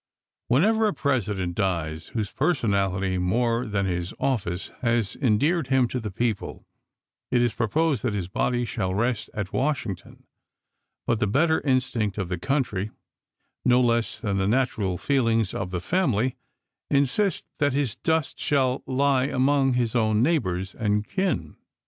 Whenever a President dies, whose personality, more than his office, has endeared him to the people, it is proposed that his body shall rest at Washington; but the better instinct of the country, no less than the natural feelings of the family, insist that his dust shall lie among his own neighbors and kin.